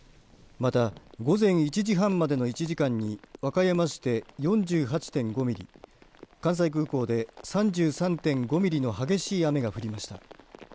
また午前１時半までの１時間に和歌山市で４８．５ミリ関西空港で３３．５ミリの激しい雨が降りました。